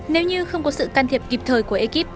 nếu như không có sự can thiệp kịp thời của ekip